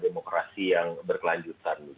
demokrasi yang berkelanjutan